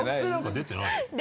出てない